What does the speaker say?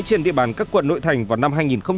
trên địa bàn các quận nội thành vào năm hai nghìn hai mươi